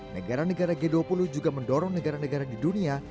negara negara g dua puluh juga mendorong negara negara di dunia